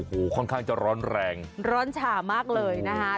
โอ้โหค่อนข้างจะร้อนแรงร้อนฉ่ามากเลยนะคะ